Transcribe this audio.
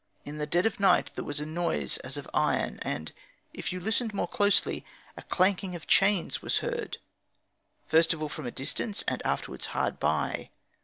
In the dead of night there was a noise as of iron, and, if you listened more closely, a clanking of chains was heard, first of all from a distance, and afterwards hard by.